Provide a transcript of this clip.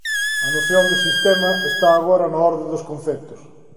A noción de sistema está agora na orde dos conceptos.